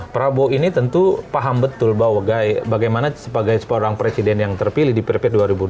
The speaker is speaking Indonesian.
prabowo ini tentu paham betul bahwa bagaimana sebagai seorang presiden yang terpilih di prp dua ribu dua puluh